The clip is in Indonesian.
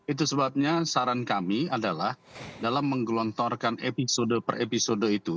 itu sebabnya saran kami adalah dalam menggelontorkan episode per episode itu